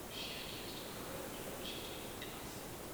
She accuse her friend for cheating in class.